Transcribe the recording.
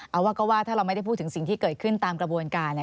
เอาว่าก็ว่าถ้าเราไม่ได้พูดถึงสิ่งที่เกิดขึ้นตามกระบวนการ